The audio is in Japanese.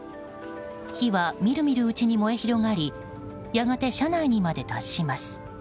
火は見る見るうちに燃え広がりやがて車内にまで達します。